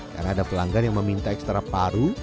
karena ada pelanggan yang meminta ekstra paru